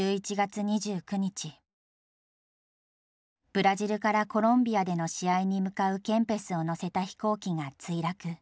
ブラジルからコロンビアでの試合に向かうケンペスを乗せた飛行機が墜落。